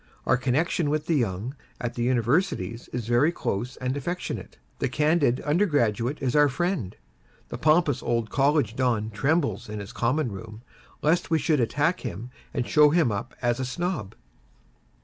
Our connexion with the youth at the Universities is very close and affectionate. The candid undergraduate is our friend. The pompous old College Don trembles in his common room, lest we should attack him and show him up as a Snob.